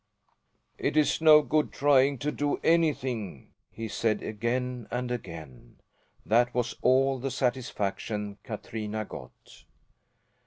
"It's no good trying to do anything," he said again and again. That was all the satisfaction Katrina got.